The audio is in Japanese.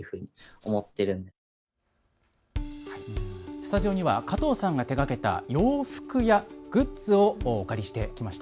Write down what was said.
スタジオには加藤さんが手がけた洋服やグッズをお借りしてきました。